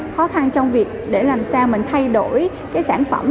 khó khăn trong việc để làm sao mình thay đổi cái sản phẩm